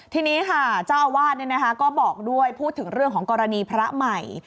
ทีนี้ค่ะเจ้าอาวาสก็บอกด้วยพูดถึงเรื่องของกรณีพระใหม่